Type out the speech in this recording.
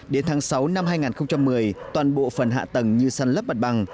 đến tháng sáu năm hai nghìn một mươi toàn bộ phần hạ tầng như săn lấp mặt bằng